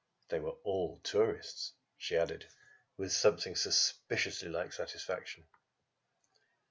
"They were all tourists," she added with something suspiciously like satisfaction.